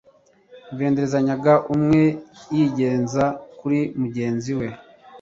benderezanyaga, umwe yiyenza kuri mugenzi